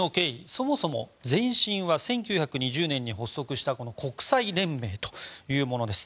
そもそも前身は１９２０年に発足した国際連盟というものです。